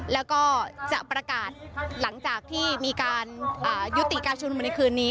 แล้วก็จะประกาศหลังจากที่มีการยุติการชุมนุมในคืนนี้